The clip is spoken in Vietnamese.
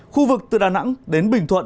khu vực từ đà nẵng đến bình thuận